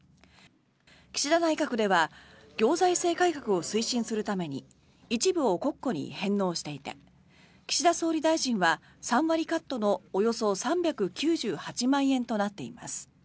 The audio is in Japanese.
岸田内閣では行財政改革を推進するために一部を国庫に返納していて岸田総理大臣は３割カットのおよそ３９８万円となっています。